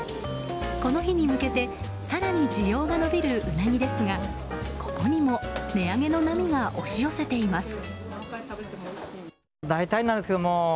この日に向けて更に需要が伸びるウナギですがここにも値上げの波が押し寄せています。